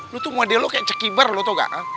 lo tuh model lo kayak cekiber lo tau gak